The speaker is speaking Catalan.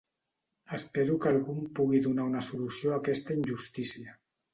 Espero que algú em pugui donar una solució a aquesta injustícia.